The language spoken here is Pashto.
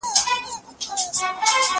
زه شګه نه پاکوم!